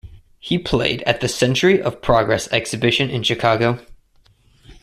He played at the Century of Progress exposition in Chicago.